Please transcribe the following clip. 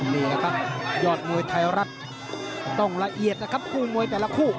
นี่แหละครับยอดมวยไทยรัฐต้องละเอียดนะครับคู่มวยแต่ละคู่